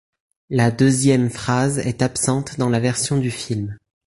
La deuxième phrase est absente dans la version du film.